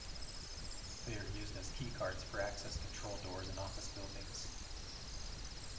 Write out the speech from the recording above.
They are used as keycards for access control doors in office buildings.